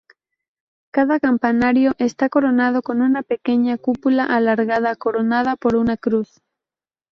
Cada campanario está coronado con una pequeña cúpula alargada, coronada por una cruz.